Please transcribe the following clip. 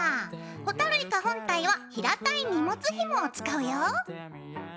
ホタルイカ本体は平たい荷物ひもを使うよ。